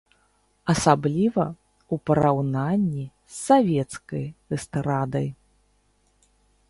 Асабліва ў параўнанні з савецкай эстрадай.